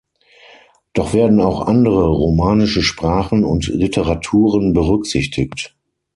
Doch werden auch andere romanische Sprachen und Literaturen berücksichtigt.